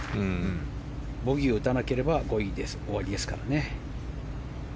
ボギーを打たなければ５位で終わりですからね。